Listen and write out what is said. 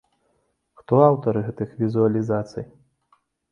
Хто аўтары гэтых візуалізацый?